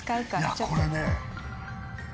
いやこれね。